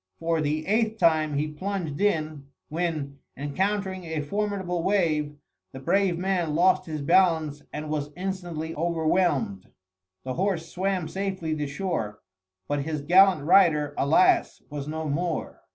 For the eighth time he plunged in, when, encountering a formidable wave, the brave man lost his balance, and was instantly overwhelmed. The horse swam safely to shore; but his gallant rider, alas! was no more.